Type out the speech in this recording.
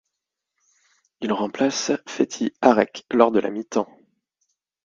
Il remplace Féthi Harek lors de la mi-temps.